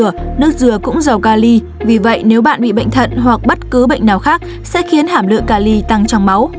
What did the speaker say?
uống nước dừa cũng giàu gali vì vậy nếu bạn bị bệnh thận hoặc bất cứ bệnh nào khác sẽ khiến hàm lượng gali tăng trong máu